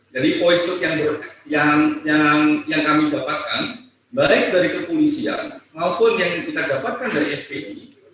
jadi voice note yang kami dapatkan baik dari kepolisian maupun yang kita dapatkan dari fpi